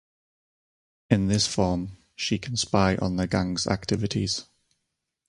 In this form, she can spy on the Gang's activities.